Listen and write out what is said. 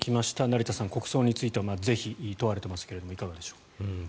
成田さん、国葬について是非が問われていますがいかがでしょう。